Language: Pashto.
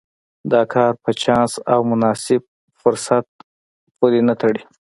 دا کار په چانس او مناسب فرصت پورې نه تړي.